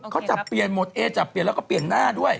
เขาจับเปลี่ยนหมดเอจับเปลี่ยนแล้วก็เปลี่ยนหน้าด้วย